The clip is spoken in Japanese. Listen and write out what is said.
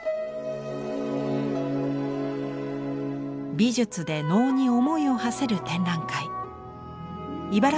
美術で「農」に思いをはせる展覧会。